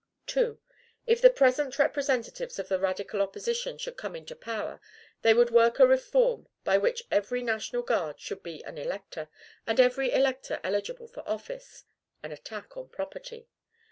2. If the present representatives of the radical opposition should come into power, they would work a reform by which every National Guard should be an elector, and every elector eligible for office, an attack on property.